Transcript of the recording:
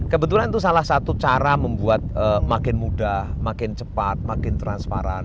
kebetulan itu salah satu cara membuat makin mudah makin cepat makin transparan